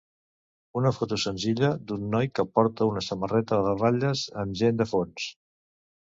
Una foto senzilla d'un noi que porta una samarreta de ratlles amb gent de fons.